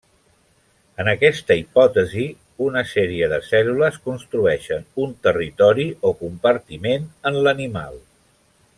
En aquesta hipòtesi una sèrie de cèl·lules construeixen un territori o compartiment en l'animal.